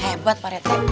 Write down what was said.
hebat pak rete